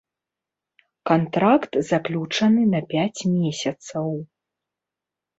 Кантракт заключаны на пяць месяцаў.